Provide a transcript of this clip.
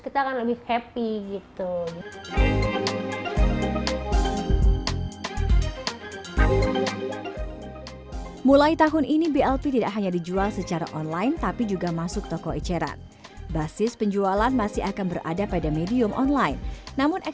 kita akan lebih happy gitu